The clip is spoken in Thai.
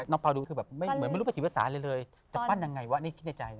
น้องเปล่าดูคือแบบไม่รู้ประสิทธิวศาสตร์เลยจะปั้นยังไงวะนี่คิดในใจนะ